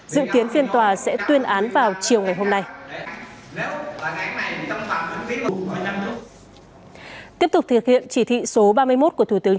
dự kiến phiên tòa sẽ tuyên án vào chiều hôm nay tiếp tục thực hiện chỉ thị số ba mươi một của thủ tướng